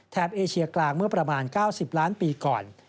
เอเชียกลางเมื่อประมาณ๙๐ล้านปีก่อน